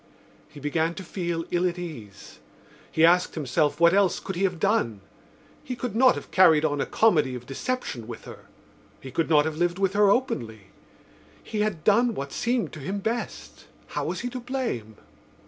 He began to feel ill at ease. He asked himself what else could he have done. He could not have carried on a comedy of deception with her; he could not have lived with her openly. He had done what seemed to him best. How was he to blame?